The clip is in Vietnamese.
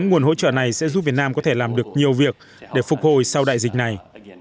những nguồn hỗ trợ này sẽ giúp việt nam có thể làm được nhiều việc để phục hồi sau đại dịch này